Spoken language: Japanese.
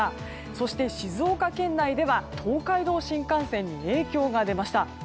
そして、静岡県内では東海道新幹線に影響が出ました。